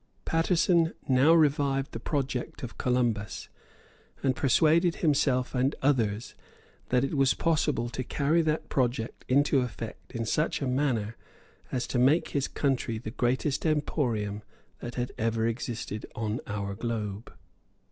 Paterson now revived the project of Columbus, and persuaded himself and others that it was possible to carry that project into effect in such a manner as to make his country the greatest emporium that had ever existed on our globe.